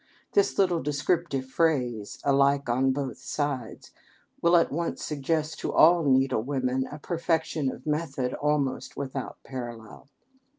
'" This little descriptive phrase alike on both sides will at once suggest to all needlewomen a perfection of method almost without parallel.